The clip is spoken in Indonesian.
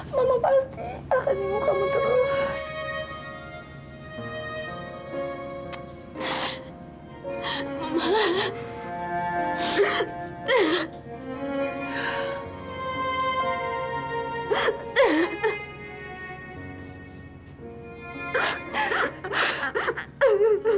mama pasti akan ingin kamu terlepas